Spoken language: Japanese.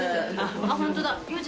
あっ、本当だ。